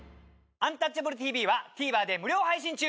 「アンタッチャブるＴＶ」はＴＶｅｒで無料配信中！